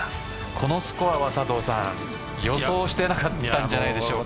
このスコアは佐藤さん予想していなかったんじゃないでしょうか。